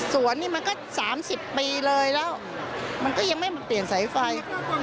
สวนนี่มันก็๓๐ปีเลยแล้วมันก็ยังไม่มาเปลี่ยนสายไฟ